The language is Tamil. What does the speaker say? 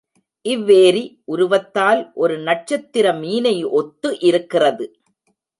இவ்வேரி உருவத்தால் ஒரு நட்சத்திர மீனை ஒத்து இருக்கிறது.